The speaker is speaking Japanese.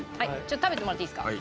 食べてもらっていいですか？